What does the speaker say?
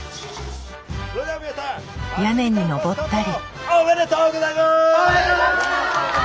屋根にのぼったり。